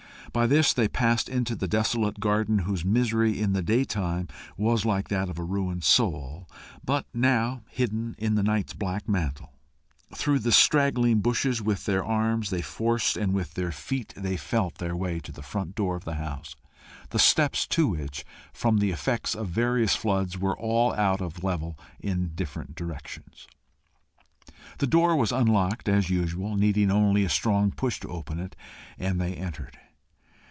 By this they passed into the desolate garden, whose misery in the daytime was like that of a ruined soul, but now hidden in the night's black mantle. Through the straggling bushes with their arms they forced and with their feet they felt their way to the front door of the house, the steps to which, from the effects of various floods, were all out of the level in different directions. The door was unlocked as usual, needing only a strong push to open it, and they entered.